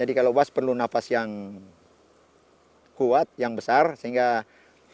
jadi kalau bas perlu nafas yang kuat yang besar sehingga volume bas akan jauh lebih besar